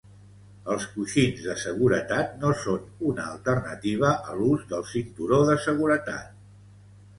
Els coixins de seguretat no són una alternativa a l'ús del cinturó de seguretat.